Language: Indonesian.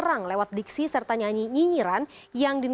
make indonesia great again